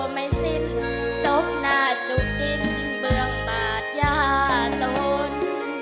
ไม่สิ้นศพหน้าจุดดินเบื้องบาดยาตุน